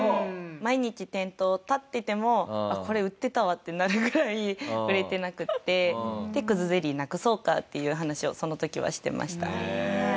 毎日店頭立っててもこれ売ってたわってなるぐらい売れてなくて葛ゼリーなくそうかっていう話をその時はしてました。